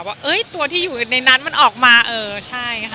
ว่าตัวที่อยู่ในนั้นมันออกมาเออใช่ค่ะ